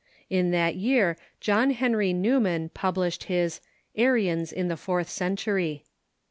In that year John Henry Newman published his " Arians in the Fourth Century."